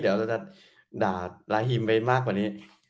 เดี๋ยวเราจะด่าลาฮิมไปมากกว่านี้